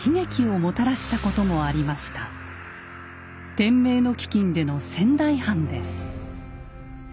天明の飢饉での仙台藩です。